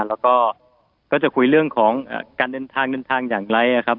แล้วก็จะคุยเรื่องของการเดินทางอย่างไรครับ